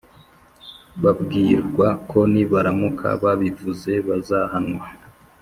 babwirwa ko nibaramuka babivuze bazahanwa